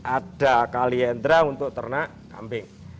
ada kaliendra untuk ternak kambing